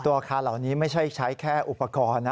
อาคารเหล่านี้ไม่ใช่ใช้แค่อุปกรณ์นะ